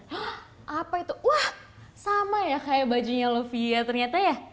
hah apa itu wah sama ya kayak bajunya lovia ternyata ya